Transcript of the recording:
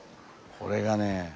これがねえ